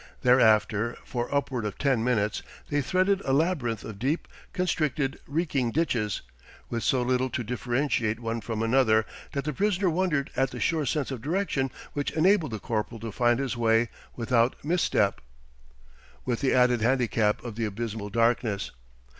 Thereafter for upward of ten minutes they threaded a labyrinth of deep, constricted, reeking ditches, with so little to differentiate one from another that the prisoner wondered at the sure sense of direction which enabled the corporal to find his way without mis step, with the added handicap of the abysmal darkness.